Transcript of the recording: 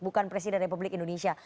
bukan presiden republik indonesia